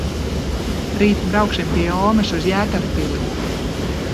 rīt brauksim pie omes uz Jēkabpili